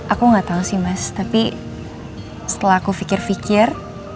aku gak tau sih mas tapi setelah aku pikir pikir